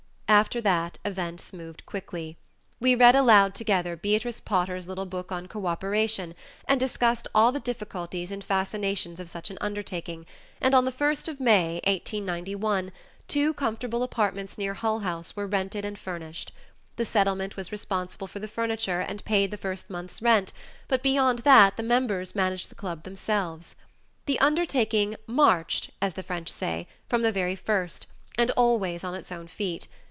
After that events moved quickly. We read aloud together Beatrice Potter's little book on "Cooperation," and discussed all the difficulties and fascinations of such an undertaking, and on the first of May, 1891, two comfortable apartments near Hull House were rented and furnished. The Settlement was responsible for the furniture and paid the first month's rent, but beyond that the members managed the club themselves. The undertaking "marched," as the French say, from the very first, and always on its own feet.